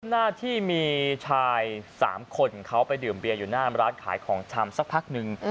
หน้าที่มีชาย๓คนเขาไปดื่มเบียร์อยู่หน้าร้านขายของชำสักพักนึง